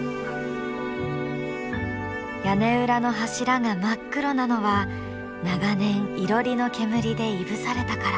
屋根裏の柱が真っ黒なのは長年いろりの煙でいぶされたから。